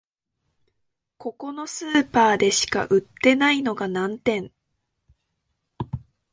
ここのスーパーでしか売ってないのが難点